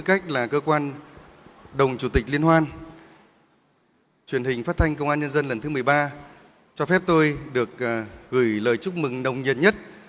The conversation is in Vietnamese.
kỳ liên hoan truyền hình phát thanh công an nhân dân lần thứ một mươi ba cho phép tôi được gửi lời chúc mừng nồng nhiệt nhất